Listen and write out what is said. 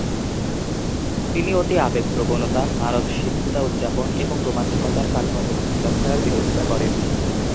তিনি অতি আবেগপ্রবণতা, মানব সিদ্ধতা উদযাপন এবং রোমান্টিকতার কাল্পনিক চিন্তাধারার বিরোধিতা করেন।